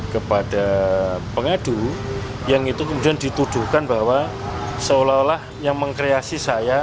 kepada pengadu yang itu kemudian dituduhkan bahwa seolah olah yang mengkreasi saya